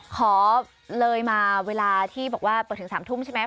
ขอเลยมาเวลาที่บอกว่าเปิดถึง๓ทุ่มใช่ไหม